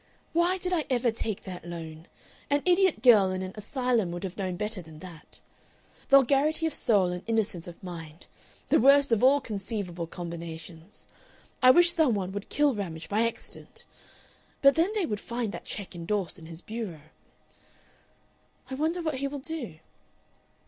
"Why did I ever take that loan? An idiot girl in an asylum would have known better than that! "Vulgarity of soul and innocence of mind the worst of all conceivable combinations. I wish some one would kill Ramage by accident!... "But then they would find that check endorsed in his bureau.... "I wonder what he will do?"